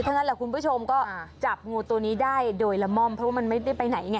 งั้นแหละคุณผู้ชมก็จับงูตัวนี้ได้โดยละม่อมเพราะว่ามันไม่ได้ไปไหนไง